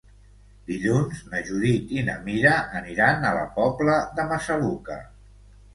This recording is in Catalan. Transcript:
Dilluns na Judit i na Mira aniran a la Pobla de Massaluca.